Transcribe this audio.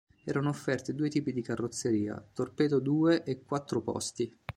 Erano offerte due tipi di carrozzeria, torpedo due e quattro posti.